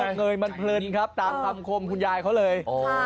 มันเงยมันเพลินครับตามคำคมคุณยายเขาเลย